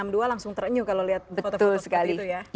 yang kedua langsung terenyuh kalau lihat foto foto seperti itu ya